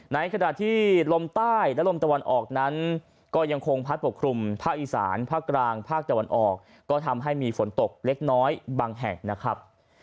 ในขณะที่ลมใต้และลมตะวันออกนั้นก็ยังคงพัดปกคลุมภาคอีสานภาคกลางภาคตะวันออกก็ทำให้มีฝนตกเล็กน้อยบางแห่งนะครับ